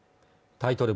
タイトル